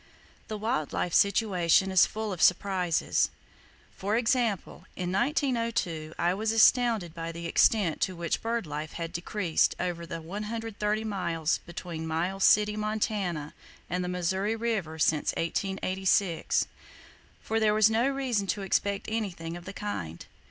The wild life situation is full of surprises. For example, in 1902 I was astounded by the extent to which bird life had decreased over the 130 miles between Miles City, Montana, and the Missouri River since 1886; for there was no reason to expect anything of the kind.